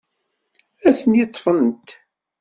Atni ḍḍfen-t.